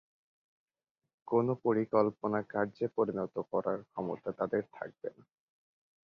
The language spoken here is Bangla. কোনো পরিকল্পনা কার্যে পরিণত করার ক্ষমতা তাদের থাকবে না।